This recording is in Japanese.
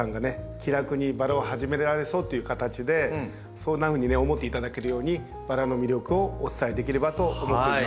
気楽にバラを始められそうという形でそんなふうに思っていただけるようにバラの魅力をお伝えできればと思っています。